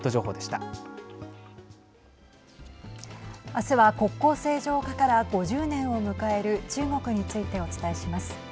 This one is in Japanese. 明日は、国交正常化から５０年を迎える中国についてお伝えします。